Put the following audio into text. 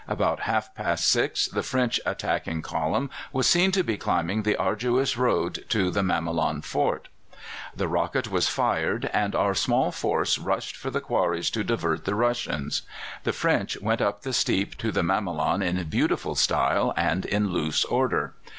About half past six the French attacking column was seen to be climbing the arduous road to the Mamelon fort. "The rocket was fired, and our small force rushed for the quarries to divert the Russians. The French went up the steep to the Mamelon in beautiful style and in loose order.